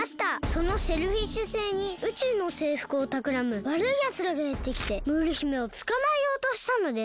そのシェルフィッシュ星に宇宙のせいふくをたくらむわるいやつらがやってきてムール姫をつかまえようとしたのです。